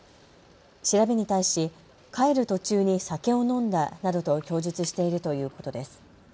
調べに対し、帰る途中に酒を飲んだなどと供述しているということです。